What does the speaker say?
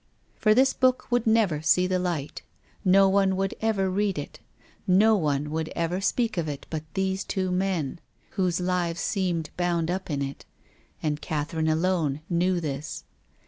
For this book would never sec the light. No one would ever read it. No one would ever speak of it but these two men, whose lives seemed bound up in it. And Catherine alone knew this.